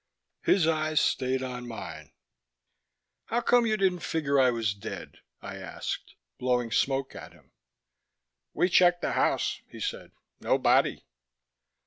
His eyes stayed on mine. "How come you didn't figure I was dead?" I asked, blowing smoke at him. "We checked the house," he said. "No body."